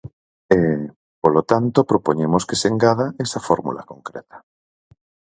E, polo tanto, propoñemos que se engada esa fórmula concreta.